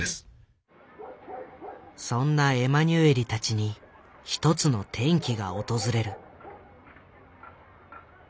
そんなエマニュエリたちに一つの転機が訪れる。